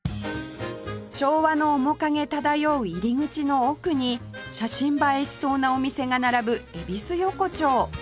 昭和の面影漂う入り口の奥に写真映えしそうなお店が並ぶ恵比寿横丁